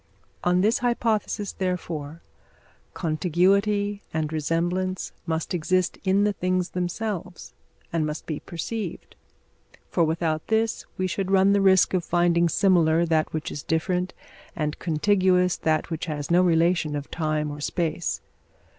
On this hypothesis, therefore, contiguity and resemblance must exist in the things themselves, and must be perceived; for without this we should run the risk of finding similar that which is different, and contiguous that which has no relation of time or space.